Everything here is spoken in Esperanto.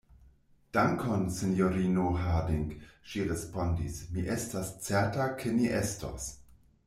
Dankon, sinjorino Harding, ŝi respondis, mi estas certa, ke ni estos.